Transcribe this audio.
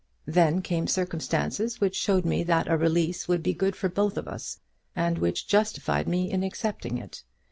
Then came circumstances which showed me that a release would be good for both of us, and which justified me in accepting it.